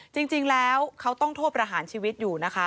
จริงแล้วเขาต้องโทษประหารชีวิตอยู่นะคะ